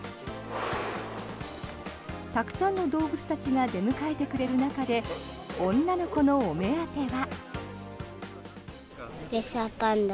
たくさんの動物たちが出迎えてくれる中で女の子のお目当ては。